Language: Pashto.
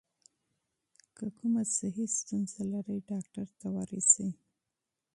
که کومه صحي ستونزه لرئ، ډاکټر ته مراجعه وکړئ.